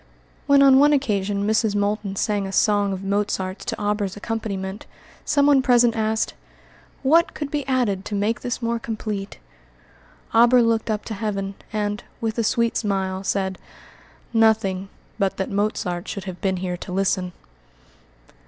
When, on one occasion, Mrs. Moulton sang a song of Mozart's to Auber's accompaniment, someone present asked, "What could be added to make this more complete?" Auber looked up to heaven, and, with a sweet smile, said, "Nothing but that Mozart should have been here to listen."